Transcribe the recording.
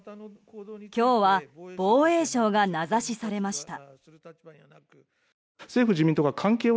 今日は防衛省が名指しされました。